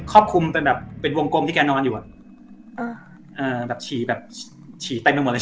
รอบคลุมเป็นแบบเป็นวงกลมที่แกนอนอยู่อ่ะอ่าอ่าแบบฉี่แบบฉี่เต็มไปหมดเลย